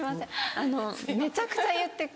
あのめちゃくちゃ言って来ます。